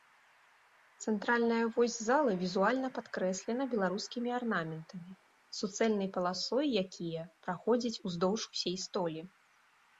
Цэнтральная вось залы візуальна падкрэслена беларускімі арнаментамі, суцэльнай паласой якія праходзяць уздоўж усей столі.